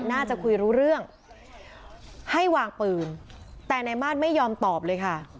น่าจะคุยรู้เรื่องให้วางปืนแต่นายมาสไม่ยอมตอบเลยค่ะ